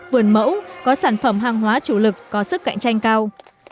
vườn mẫu có sản phẩm hàng hóa chủ lực có sức cạnh tranh cao